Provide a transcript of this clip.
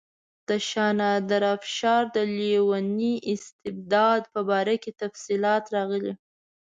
د نادرشاه افشار د لیوني استبداد په باره کې تفصیلات راغلي.